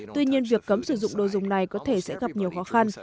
tuy nhiên việc cấm sử dụng đồ dùng này có thể sẽ gặp nhiều khó khăn